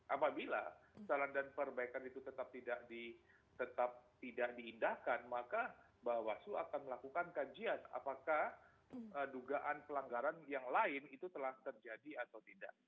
apabila saran dan perbaikan itu tetap tidak diindahkan maka bawaslu akan melakukan kajian apakah dugaan pelanggaran yang lain itu telah terjadi atau tidak